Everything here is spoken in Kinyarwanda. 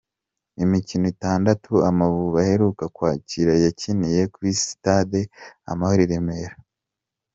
Imikino itandatu Amavubi aheruka kwakira yakiniye kuri sitade Amahoro i Remera.